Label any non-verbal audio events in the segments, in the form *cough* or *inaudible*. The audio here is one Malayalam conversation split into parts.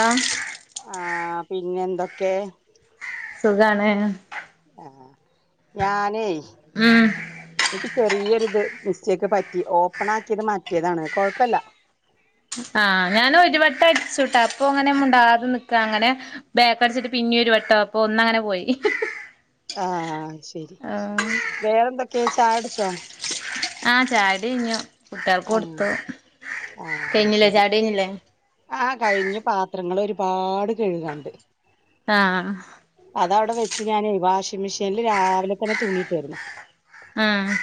അഹ് ആഹ് പിന്നെ എന്തൊക്കെ സുഖാണ്. ആഹ് ഞാനേയ് ഉം എനിക്ക് ചെറിയൊരു ഇത് മിസ്റ്റേക്ക് പറ്റി ഓപ്പൺ ആക്കിയത് മാറ്റേതാണ് കുഴപ്പല്ല. ആഹ് ഞാന ഒരു വട്ടം അടച്ചുട്ടാ അപ്പൊ അങ്ങനെ മുടാതെ നിക്കാ അങ്ങനെ ബേക്കടച്ചിട്ട് പിന്നീരു വട്ടോ അപ്പൊ ഒന്നങ്ങനെ പോയി. ആഹ് ശരി ആഹ് വേറെന്തൊക്കെയാ ചായടിച്ചോ? ആഹ് ചായടി കഴിഞ്ഞു കുട്ടികൾക്ക് ആഹ് കൊടുത്തു ആഹ് അത് കഴിഞ്ഞില്ലേ ശരി ചായി കഴിഞ്ഞില്ലേ? ആഹ് കഴിഞ്ഞ് പാത്രങ്ങൾ ഒരുപാട് കഴുകനുണ്ട്. ആഹ് അത് അവിടെ വെച്ച് ഞാന് വാഷിംഗ മെഷീനില് രാവിലെ തന്നെ തൂണിയിട്ടായിരുന്നു. ആഹ്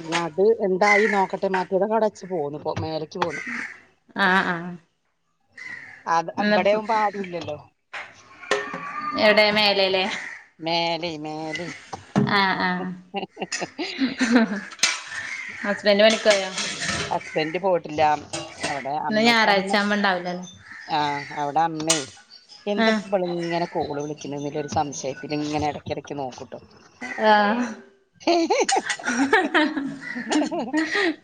ഇനി അത് എന്തായി നോക്കട്ടെ മാറ്റിയതൊക്കെ അവിടെച്ച് പോന്നു ഇപ്പോ മേലേക്ക് പോന്നു. ആഹ് ആഹ് അത് ഇന്ന്പ്പം അവിടെയാവുമ്പോ ആരും ഇില്ലല്ലോ എവിടെ മേലല്ലേ മേല മേലി ആഹ് ആഹ് ഹസ്ബൻഡ പണിക്കോയോ ഹസ്ബന്ഡറ് പോട്ടില്ല ഇന്ന് ഞായറാഴ്ച വുണ്ടാവുലല്ലെ. ആഹ് അവിടെ അമ്മേ എന്ത ആഹ് നമ്മളിങ്ങനെ കോള് വിളിക്കുന്ന ഒരു സംശയത്തില് ഇങ്ങനെ ഇടയ്ക്കിടക്ക് നോക്കൂട്ടോ ആഹ്‌ *inaudible*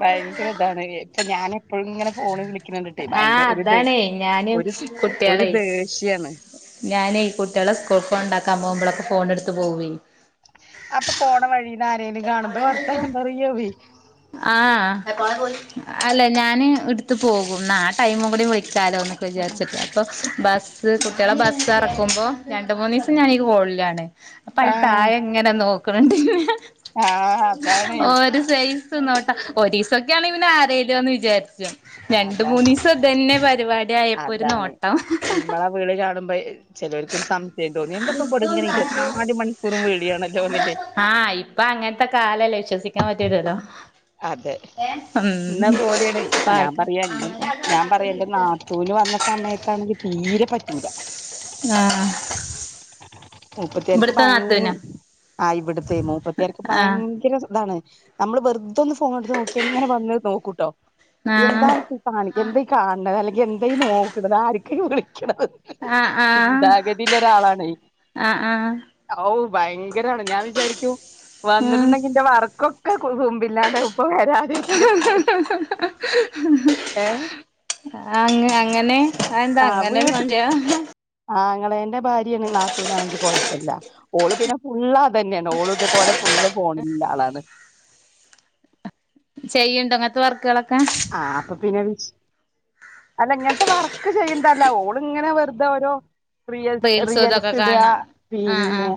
ഭയങ്കര ഇതാണ് ഇപ്പൊ ഞാനും എപ്പോഴ ങ്ങനെ ഫോണ് വിളിക്കുന്നണ്ടിട്ടെ ഭയങ്കര ആഹ് ഒരു ദേ അതാണേ ഞാന് ഒരു ഒരു ദേഷ്യാണ്. ഞാന് കുട്ടിയളെ സ്കൂൾ കൊണ്ടാക്കാൻ പോകുമ്പോളോക്കെ ഫോണടുത്ത് പോവും. അപ്പൊ പോണ വഴീന്ന് ആരേലും കാണുമ്പ വർത്താനം പറയോവി. ആഹ്‌ അല്ലെ ഞാന് എടുത്ത് പോകും ആഹ് ടൈമും കൂടി വിളിക്കാലോന്ന് വിചാരിച്ചിട്ട് അപ്പ ബസ്സ് കുട്ടികളെ ബസ്സ് എറക്കുമ്പോ രണ്ട് മൂന്നിവസം ഞാനീ കോളിലന്നെ. അപ്പൊ ഈ തായെങ്ങനെ നോക്കണണ്ട്. *unintelligible* ആഹ്‌ അതാണ്. ഒര്സൈസ്ന്നോട്ടാ ഒറിസസക്കെയാണ് പിന്നെ ആരതോന്ന് വിചാരിച്ചു രണ്ട് അതാണ് മൂന്നിസം ഇതന്നെ പരിപാടി ആയപ്പോ ഒരു അതാണ് നോട്ടം ഇമ്മളെ വിളി കാണുമ്പോയി ചെലർക്കൊരു സംശയം തോന്നി എന്തപ്പൊ പടും ഇങ്ങനെ ഇരുത്തിനാല് മണിക്കൂറും വിളിയാണോല്ലേന്ന് വിചാരിക്കും ആഹ് ഇപ്പൊ അങ്ങനത്തെ കാലല്ലേ വിശ്വസിക്കാൻ പറ്റീലല്ലോ അതെ ഇന്ന പോലെയാണ് ഞാൻ പാർക്ക പറയാന്നിട്ട് ഞാൻ പറയാ എന്തെന്നാ ഓല് വന്ന സമയത്താണെങ്കിൽ തീരെ പറ്റൂല ആഹ്‌ മുപ്പത്തിയാർക്ക് ഭയങ്ക് നാത്തൂനാ ആഹ്‌ ഇവിടത്തെ മുപ്പത്തിയാർക്ക് ആഹ് ഭയങ്കര ഇതാണ് നമ്മള് വെറുതൊന്ന് ഫോണടുത്ത് നോക്കി ങ്ങനെ വന്ന് നോക്കൂട്ടോ ആഹ് എന്താണ് ന്തേ കാണ എന്തേ കാണത് അല്ലെങ്കിൽ എന്തേ നോക്കണത് ആർക്കെയ വിളിക്കണത് ആഹ് ചിന്താഗതിയിലൊരാളാണ് ആഹ്‌ ആഹ്‌ ഔ ഭയങ്കരാണ് ഞാൻ വിചാരിക്കും ഉം വന്ന്ട്ടുണ്ടെങ്കി ന്റെ വർക്കൊ *unintelligible* കുമ്പില്ലാണ്ട് ഉപ്പ വരാ. എഹ്‌ ആഹ്‌ അങ്ങ് അങ്ങനെ അതെന്താ ആഹ്‌ അങ്ങനെ ഒരു വീട്ട്ൽ സംശയം ആങ്ങെളന്റെ ഭാര്യയാണ് നാത്തുനാണെങ്കി കൊഴപ്പല്ല. ഓള് പിന്നെ ഫുള്ള് അതന്നെയാണ് ഓള് ഇതേപോലെ ഫുള്ള് ഫോണിന്റെളാണ്. ചെയ്യ്ണ്ടോ ങ്ങൻത്തെ വർക്കുകളൊക്കെ? ആഹ്‌ അപ്പൊ പിന്നെ വി അല്ല ഇങ്ങൻത്തെ വർക്ക് ചെയ്യന്തല്ല ഓള് ങ്ങനെ വെർതെ ഓരോ റിയൽസ് റീൽസും ഇതൊക്കെ റിയൽസ്ടാ കാണാ ആഹ് ആഹ് പിന്നെ.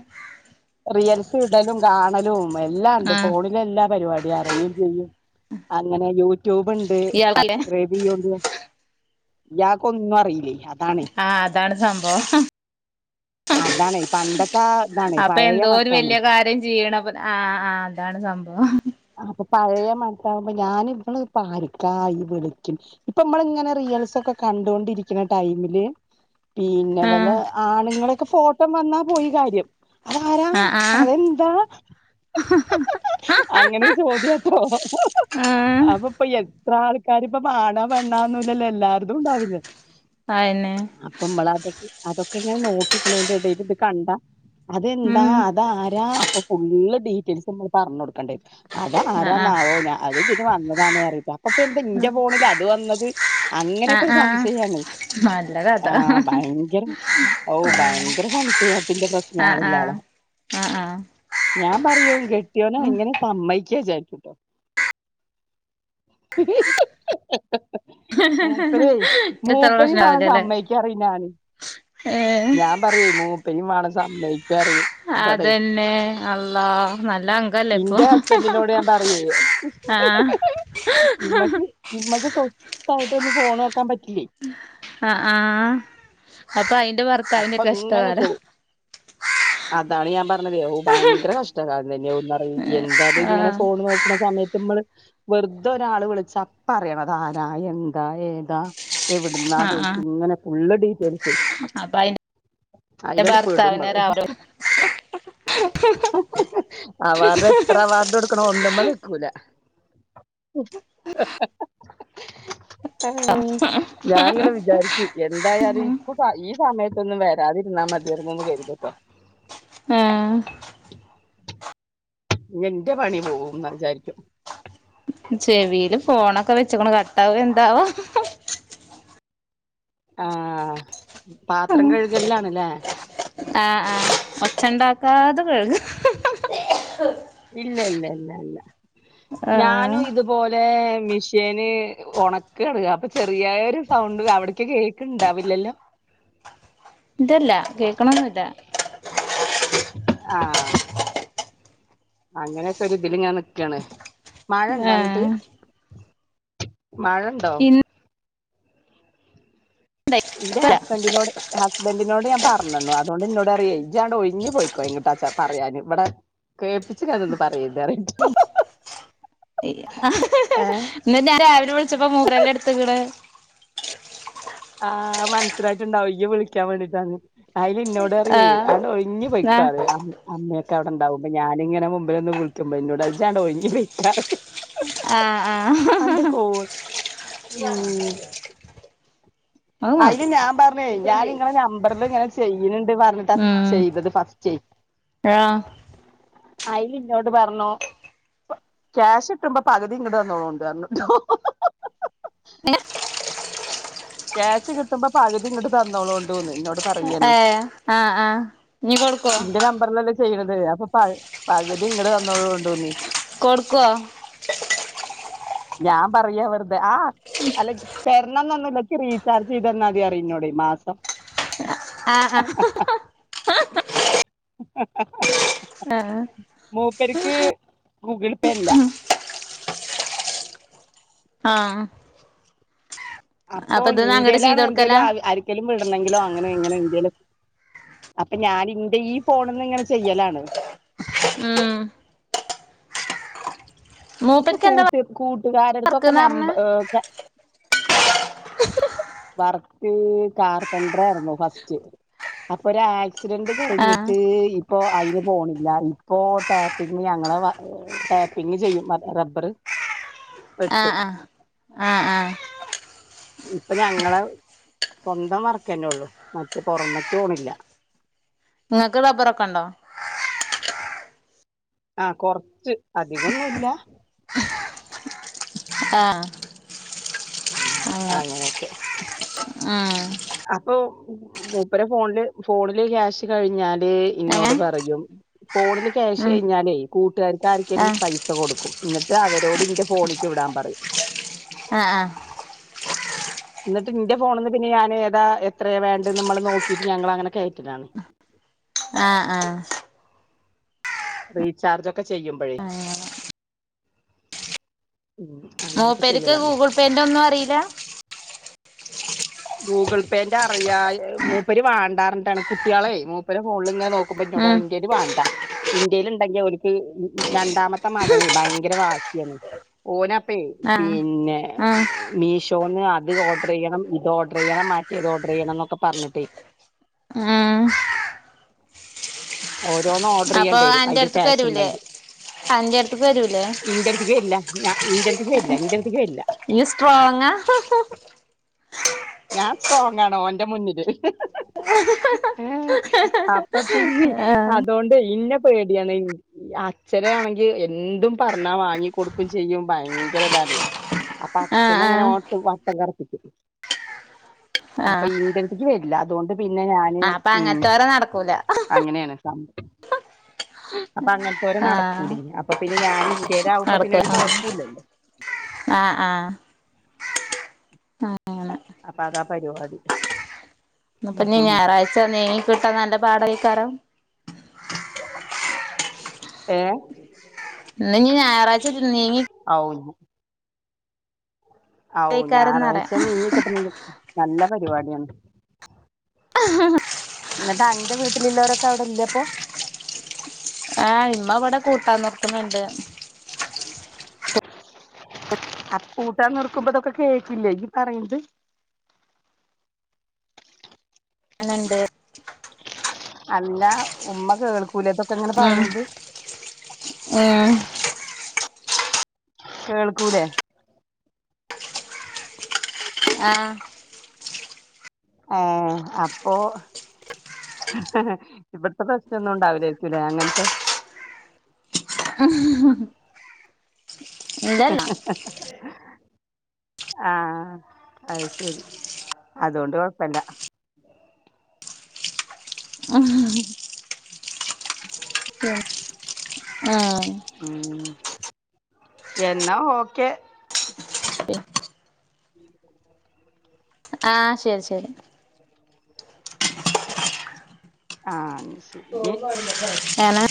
റിയൽസ് ഇടലും കാണലും എല്ലാണ്ട് ആഹ് ഫോണിലെല്ലാ പരിപാടിയും അറിയും. *unintelligible* അങ്ങനെ യൂട്യൂബ് ണ്ട് ഇയാൾക്കല്ലേ സബ്സ്ക്രൈ *unintelligible* ഇയാക്ക് ഒന്നും അറിലേ. ആഹ്‌ അതാണ് സംഭവം. അതാണേ പണ്ടത്താ താണ് പഴയ മട്ടം. വല്യ കാര്യം ചെയ്യണപ്പൊ ആഹ്‌ ആഹ്‌ അതാണ് സംഭവം. അപ്പൊ പഴയ മനസാവുമ്പോ ഞാന് ഇവള് പാര്ക്കാ ഇ വിളിക്ക്ണേ. ഇപ്പൊ മ്മള്ങ്ങനെ റിയൽസൊക്കെ കണ്ടോണ്ടിരിക്ക്ണ ടൈമില് പിന്നെ വല്ല ആഹ് ആണ്ങ്ങളൊക്കെ ഫോട്ടം വന്നാ പോയി കാര്യം. അതാരാ ആഹ് ആഹ് അതെന്താ? അങ്ങനെ ചോദ്യട്ടോ? ആഹ് അപ്പൊ ഇപ്പ എത്ര ആൾക്കാര് പ്പോ ആണാ പെണ്ണാന്നുല്ലല്ലോ എല്ലാർതും ണ്ടാവില്ലേ. അയന്നെ അപ്പൊ മ്മള് അതൊക്കെ അതൊക്കെ ങ്ങനെ നോക്കിക്ക്‌ണേന്റെ എടേൽ ഇത് കണ്ട അതെന്താ? ഉം അതാ ര അപ്പൊ ഫുള്ള് ഡീറ്റെയിൽസ് നമ്മ പറഞ്ഞൊട്ക്കേണ്ടരും അത ആഹ് ആഹ് ആരാന്നാവോ ഞാ അത് തെ വന്നതാണ് *unintelligible* അപ്പ പി ഇൻ്റെ ഫോണ്ല് അത് വന്നത് അങ്ങനെയൊക്കെ ആഹ് ഒരു ആഹ് സംശയാണ്. നല്ല കഥ ഓഹ് ഭയങ്കര സംശയത്തിന്റെ തോ ഞാള് ആഹ് ള്ള ആള. ആഹ് ആഹ് ആഹ്. ഞാ പറയും കെട്ടിയോനേ ഉം എങ്ങനെ സമ്മയ്ച്ചേ ചാരിക്കുട്ടോ മൂപ്പരെ ഇത്ര മൂപ്പര് പ്രശ്നം *unintelligible* ആവില്ലല്ലേ സമ്മയ്ക്ക അറീല ഞാൻ ഏഹ് ഞാൻ പറ്യേ മൂപ്പരിം വാണം സമ്മയ്ക്കാറിയും. അതെന്നെ അല്ലാഹ് നല്ല അംഗല്ലേ ഇപ്പൊ? ഇപ്പച്ചിനോട് ഞാ പറയേ ആഹ് ഇമ്മക്ക് ഇമ്മക്ക് സ്വത്തായിട്ടൊന്ന് ഫോൺ നോക്കാൻ പറ്റില്ലേ. ആഹ് ആഹ് അപ്പൊ അയിന്റെ ഭർത്താവിൻ്റെ അപ്പൊ ഇങ്ങനെ ചോ കഷ്ടകാലം. അതാണ് ഞാ പറഞ്ഞത് ഭയങ്കര കഷ്ടകാലം തന്നെയോ എന്താത് ങ്ങനെ ആഹ് ഫോൺ നോ സമയത്ത് മ്മള് വെറുതെ ഒരാള് വിളിച്ചാ അപ്പ അറിയണം അത് ആരാ, എന്താ, ഏതാ. എവിട്ന്നാ ചോയിക്കും ങ്ങനെ ഫുള്ള് ഡീറ്റെയിൽസ്. അപ്പ അതിലാണ് പെടും നമ്മള് *unintelligible* അവാർഡ് എത്ര അവാർഡ് കൊടുക്കണം ഒന്ന്മ്മേ ന്ന്ക്കൂല. *inaudible* ഞാ ങ്ങനെ വിചാരിച്ചോയ്. എന്തായാലും ഇപ്പൊ ഈ സമയത്തൊന്നും വരാതിരുന്നാൽ മതിയായിരുന്നെന്ന് കരുതുട്ടോ. ഏഹ്. എന്റെ പണി പോകൂന്ന് വിചാരിക്കും. ചെവീല് ഫോണൊക്കെ വെച്ചക്ണ് കട്ടാവോ എന്താവോ? ആഹ് പാത്രം കഴുകലിൽ ആണല്ലേ? ആഹ് ആഹ് ഒച്ച ഉണ്ടാക്കാതെ കഴുക ഇല്ല ഇല്ല ഇല്ല ഇല്ല ആഹ് ഞാനും ഇത് പോലെ മിഷീന് ഒണക്കാണ് അപ്പൊ ചെറിയ ഒരു സൗണ്ട് അവിട്ക്ക് കേ ക്ക് ഉണ്ടാവില്ലല്ലോ? ഇതല്ല കേക്കണ ഒന്നും ഇല്ലാ ആഹ് അങ്ങനെയൊക്കെ ഒരു ഇതില് ഇങ്ങനെ നിക്കാണ് മഴ ഉണ്ടോ അങ്ങിട്ട് ആഹ് മഴ ഉണ്ടോ? ഇന്റെ ഇന്നല്ല ഹസ്ബൻഡിനോട് ഹസ്ബൻറിനോട് ഞാൻ പറഞ്ഞു അതുകൊണ്ട് എന്നോട് പറയെ ഇജ്ജ് ഒഴിഞ്ഞ് പോയിക്കോ എങ്ങോട്ടാച്ചാ പറയാന് ഇവിടെ കേൾപ്പിച്ചില്ലാന്ന് ഒന്നും പറയരുത് ഇന്ന് രാവിലെ വിളിച്ചപ്പം മൂപ്പരന്നെ എട്ത്ത്ക്ക്ണ് ആഹ് മനസ്സിലായിട്ടുണ്ടാവും ഈയ് വിളിക്കാൻ വേണ്ടിട്ടന്ന് അയിന് ഇന്നോട് പറയുവേ ആഹ് അണ്ട് ഒഴിഞ്ഞ് ആ പൊയ്ക്കോ അമ്മയൊക്കെ അവിടെണ്ടാവുമ്പൊ ഞാനിങ്ങനെ മുമ്പില് നിന്ന് വിളിക്കുമ്പോ ഇന്നോട് ഇജ്ജ് അങ്ങട് ഒഴിഞ്ഞ് പൊയ്ക്ക. ആഹ് അന്റെ ആഹ് കോൾ ഉം അത് അതിന് ഞാൻ പറഞ്ഞേ ഞാൻ മതി ഇങ്ങളെ നമ്പറിൽ ഇങ്ങനെ ചെയ്യുന്നുണ്ട് പറഞ്ഞിട്ട് ഉം ചെയ്തത് ഫസ്റ്റ് ആഹ് അതിന് ഇന്നോട് പറഞ്ഞു ക്യാഷ് കിട്ടുമ്പ പകുതി ഇങ്ങട് തന്നോളോന്നു പറഞ്ഞു ക്യാഷ് കിട്ടുമ്പ പകുതി ഇങ്ങട് തന്നോളോണ്ടുന്ന് എന്നോട് ഏ ആഹ് ആഹ് നീ കൊടുക്കോ? ഈ നമ്പറിലല്ലേ ചെയ്യണത് അപ്പൊ പ പകുതി ഇങ്ങടെ തന്നോളുണ്ട്ന്ന്. കൊട്ക്കൊ ഞാം പറയാ വെറുതെ ആഹ് അല്ലെക്കി തരണം ന്നൊന്നുല്ല്യ ഇക്കി റീചാർജ് ചെയ്തന്നാതി അറിം ഇന്നോട് മാസം ആഹ ആഹ് ആഹ് മൂപ്പര്ക്ക് ഗൂഗിൾ പേ ഇല്ല ആഹ് അപ്പൊ ഇത് അങ്ങട് ഇന്റെലാണ് ചെയ്ത് എന്തേലും കൊടുക്കലാ ആവ് ആരിക്കേലും വിടണെങ്കിലോ അങ്ങനെ ഇങ്ങനെ എന്തേലും അപ്പം ഞാനിന്റെ ഈ ഫോണ്ന്ന് ഇങ്ങനെ ചെയ്യലാണ് ഉം ഇപ്പൊ മൂപ്പർക്ക് എന്താ കൂട്ട് കൂട്ടുകാരടുത്തൊക്കെ വർക്ക്ന്ന് നമ്പ പറഞ്ഞെ വർക്ക് കാർപ്പണ്ട്രാആയിരുന്നു ഫസ്റ്റ് അപ്പൊ ഒര ആക്സിഡന്റ് ആഹ് കഴിഞ്ഞിട്ട് ഇ പ്പോ അയിന് പോണില്ല ഇപ്പോ ടാപ്പിങ് ഞങ്ങള ടാപ്പിങ്ങ് ചെയ്യും അപ്പം റബറ് ആഹ് ആഹ് ആഹ് ആഹ് ഇപ്പം ഞങ്ങളെ സ്വന്തം വറക്കന്നെ ഒള്ളു മറ്റേ പൊറമക്കോണില്ല ഇങ്ങക്ക് ടബറൊക്കെണ്ടോ ആഹ് കൊറച്ച് അധികന്നു ഇല്ല ആഹ് അങ്ങനെ ആഹ് അപ്പോം മൂപ്പര ഫോൺല് ഫോണില് ക്യാഷ് കഴിഞ്ഞാല് ഇന്നോട് എങ്ങനെ പറയും ഫോണില് ക്യാഷ് ഉം കഴിഞ്ഞാലേ കൂട്ട്കാർക്കാർക്കേലും ആഹ് പൈസ കൊടുക്കും എന്നിട്ട് അവരോട് ഇന്റെ ഫോണിക്ക് വിടാൻ പറയും ആഹ് ആഹ് ഇന്നട്ട് ഇന്റെ ഫോണ്ന്ന് പിന്നെ ഞാന് ഏതാ എത്രയ വേണ്ടന്ന് മ്മള് നോക്കിട്ട് ഞങ്ങള അങ്ങനെ കയറ്റലാണ് ആഹ് ആഹ് റീചാർജൊക്കെ ചെയ്യുംമ്പഴേ ഉം അങ്ങനെയൊക്കെ മൂപ്പര്ക്ക് ചെയ്യലാണ് ഗൂഗ്ൾ പേന്റൊന്നു അറിയില്ല ഗൂഗിൾ പേന്റെ അറിയായി മൂപ്പര് വാണ്ടാറിഞ്ഞിട്ടാണ് കുട്ട്യാളെ മൂപ്പര ഫോളളിങ്ങനെ നോ ക്കുമ്പ ഉം എന്നോടറയും ഇന്റേല് വേണ്ട ഇന്റെലിണ്ടെങ്കി ഓര്ക്ക് രണ്ടാമത്തെ മകന് ഭയങ്കര വാശിയാണ് ഓനപ്പേ ആഹ് പിന്നെ ആഹ് മീഷോന്ന് അത് ഓഡ്രെയ്യണം ഇ ലോഡ്രയ്യണം മാറ്റിയത് ഓഡറെയ്യണന്നൊക്ക പറഞ്ഞിട്ടേ ആഹ് ഓരോന്ന് അപ്പൊ ഓഡ്രയ്യേണ്ടി വെരും അയില് ക്യാഷ് ഒണ്ടെങ്കി നീ അടുത്തെക്ക് വരൂലേ ഇന്റട്ത്ത്ക്ക് വെര്ല്ല ഞാ ഇന്റട്ത്ത്ക്ക് വെര്ല്ല ഇന്റട്ത്ത്ക്ക് വെര്ല്ല ഇയ്യ് സ്ട്രോങ്ങാ ഞാൻ സ്ട്രോങ്ങാണ് ഓന്റെ മുന്നില് ഹ് അപ്പൊ പിന്നെ അതോണ്ട് ഇന്നെ പേടിയാണ് അയിന് അച്ഛനാണെങ്കി എന്തും പറഞ്ഞാ വാങ്ങി കൊടുക്കും ചെയ്യും ഭയങ്കര താണ് അപ്പ ആഹ് അച്ഛനങ്ങനെ ആഹ് ഓൻട്ട് വട്ടം കറപ്പികും ആഹ് അപ്പൊ ഇന്റെട്ത്തേക്ക് വെരില്ല അതോണ്ട് പിന്നെ ഞാന് ആഹ് അപ്പൊ ഉം അങ്ങനത്തോരെ നടക്കൂല അങ്ങനെയാണ് സം അപ്പ അങ്ങൻത്തോര ആഹ് നടക്കൂടി അപ്പൊ പിന്നെ ഞാന് ഇന്റെലാവുമ്പോ പിന്നെ നടക്കൂല ഒരു കൊഴപ്പൊല്ലല്ലോ ആഹ് ആഹ് അങ്ങനെ അപ്പ അതാ പരിപാടി ഇപ്പ ഇനി ഉം. ഞായറാഴ്ച നീങ്ങി കിട്ടാ നല്ല പാടായിക്കാരം ഏഹ് ഇന്നിനി ഞായറാഴ്ച നീങ്ങി ഔ ഔ ക്കാരംന്നറിയാ ഞായറാഴ്ച നീങ്ങി കിട്ടണത് നല്ല പരിപാടിയാണ് *unintelligible* എന്നിട്ടന്റെ വീട്ടിലിള്ളവരൊക്ക അവിടില്ലപ്പൊ ആഹ് ഇമ്മ ഇവിടെ കൂട്ടാൻ നിർത്തുന്നുണ്ട് *inaudible* അ കൂട്ടാൻ നിർക്കുംമ്പതൊക്കെ കേട്ടില്ലേ ഇയ്യ് പറയണത് അല്ലാണ്ട് അല്ലാ ഉമ്മ കേൾക്കൂലെ ഇതൊക്കെ ഇങ്ങന പറയണത് ങേ കേൾക്കൂലേ ആ ഏഹ് അപ്പോ ഇവിട്ത്ത പ്രശ്നൊന്നും ഉണ്ടാവുലായിരിക്കൂലേ അങ്ങൻത്തെ *inaudible* ഹ് ഇല്ലല്ല ഹ് ഹ് ആഹ് അത് ശരി അതുകൊണ്ട് കൊഴപ്പെല്ല അഹ് ഉം ആഹ് ഉം എന്നാ ഓക്കെ ആഹ് ശെരി ശെരി ആഹ് ശെ ഏന